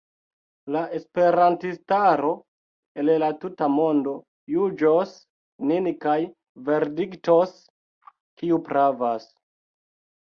La esperantistaro el la tuta mondo juĝos nin kaj verdiktos, kiu pravas.